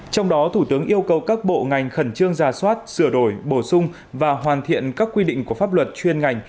trong đó thủ tướng yêu cầu các bộ ngành khẩn trương ra soát sửa đổi bổ sung và hoàn thiện các quy định của pháp luật chuyên ngành